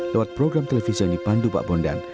lewat program televisi yang dipandu pak bondan